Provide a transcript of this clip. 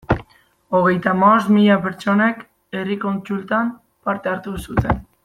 Hogeita hamabost mila pertsonek herri kontsultan parte hartu zuten.